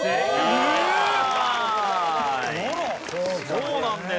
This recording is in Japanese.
そうなんです